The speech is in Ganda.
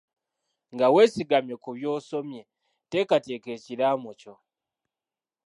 Nga weesigamye ku byosomye teekateeka ekiraamo kyo.